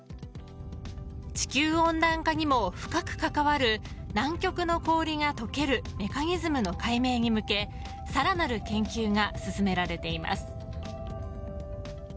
地球温暖化にも深く関わる南極の氷がとけるメカニズムの解明に向けさらなる研究が進められています。